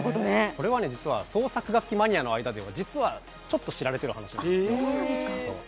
これは創作楽器マニアの間では実は、ちょっと知られている話です